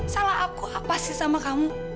salah aku apa sih sama kamu